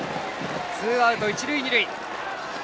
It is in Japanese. ツーアウト、一塁二塁。